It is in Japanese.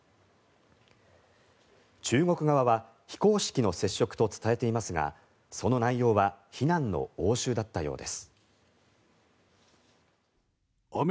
中国側は非公式の接触と伝えていますがその内容は非難の応酬だったようです。